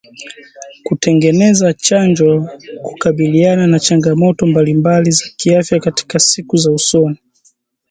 kutengeneza chanjo kukabiliana na changamoto mbali mbali za kiafya katika siku za usoni